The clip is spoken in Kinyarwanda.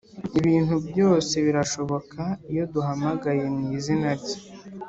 ibintu byose birashoboka iyo duhamagaye mu izina rye